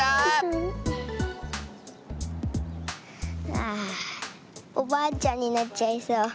ああおばあちゃんになっちゃいそう。